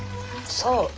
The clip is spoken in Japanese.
そう。